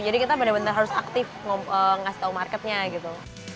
jadi kita bener bener harus aktif ngasih tau marketnya gitu